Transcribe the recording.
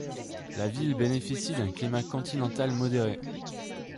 La ville bénéficie d'un climat continental modéré.